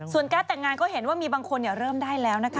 ส่วนการ์ดแต่งงานก็เห็นว่ามีบางคนเริ่มได้แล้วนะคะ